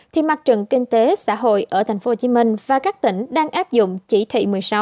thì mặt trận kinh tế xã hội ở tp hcm và các tỉnh đang áp dụng chỉ thị một mươi sáu